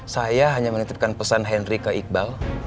saya hanya menitipkan pesan henry ke iqbal